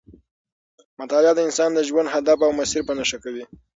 مطالعه د انسان د ژوند هدف او مسیر په نښه کوي.